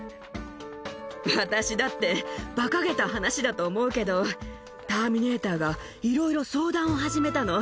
私だってばかげた話だと思うけど、ターミネーターがいろいろ相談を始めたの。